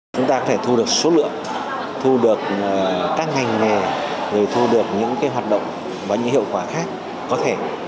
chúng ta có thể thu được số lượng thu được các ngành nghề thu được những hoạt động và những hiệu quả khác có thể